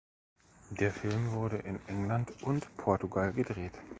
Der Film wurde in England und Portugal gedreht.